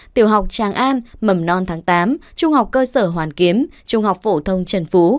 tiểu học tràng an mầm non tháng tám trung học cơ sở hoàn kiếm trung học phổ thông trần phú